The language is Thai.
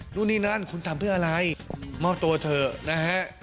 หลู่นี่นั่นคุณทำเพื่ออะไรหมอบตัวเถอะ